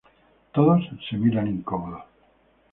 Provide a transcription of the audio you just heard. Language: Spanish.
Todos se miran incómodos.